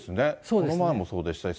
この前もそうでしたし。